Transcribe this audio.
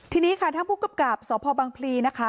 ทีนี้ค่ะทางพูดกลับสอบพบังพลีนะคะ